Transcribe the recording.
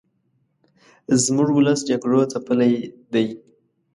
زموږ ولس جګړو ځپلې دې